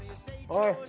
はい。